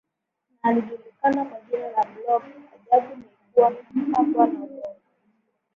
na alijulikana kwa jina la Blob ajabu nikuwa hakuwa na ubongo